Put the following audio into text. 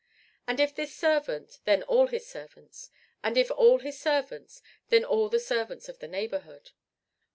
And if this servant, then all his servants. And if all his servants, then all the servants of the neighborhood.